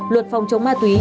luật phòng chống ma túy